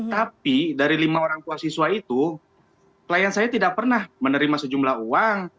tapi dari lima orang tua siswa itu klien saya tidak pernah menerima sejumlah uang